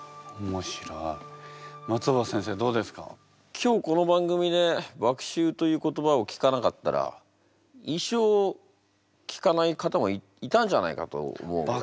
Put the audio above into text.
今日この番組で「麦秋」という言葉を聞かなかったら一生聞かない方もいたんじゃないかと思うぐらい。